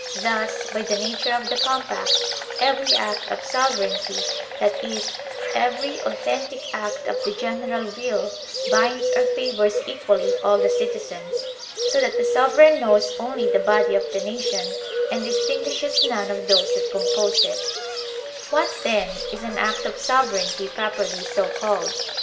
Thus, by the nature of the compact, every act of sovereignty, that is, every authentic act of the general will, binds or favors equally all the citizens; so that the sovereign knows only the body of the nation, and distinguishes none of those that compose it What, then, is an act of sovereignty properly so called